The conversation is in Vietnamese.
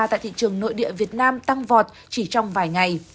tại thị trường nội địa việt nam tăng vọt chỉ trong vài ngày